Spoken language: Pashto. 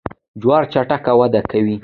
جوار چټک وده کوي.